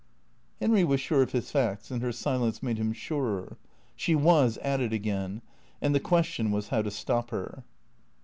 Henry was sure of his facts, and her silence made him surer. She was at it again, and the question was how to stop her